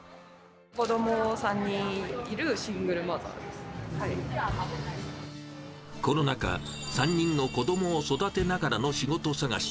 子ども３人いるシングルマザコロナ禍、３人の子どもを育てながらの仕事探し。